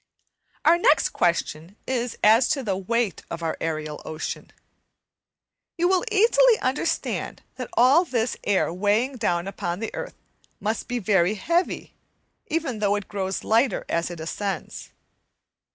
Our next question is as to the weight of our aerial ocean. You will easily understand that all this air weighing down upon the earth must be very heavy, even though it grows lighter as it ascends.